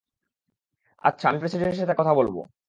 আচ্ছা, আমি প্রেসিডেন্টের সাথে কথা বলব।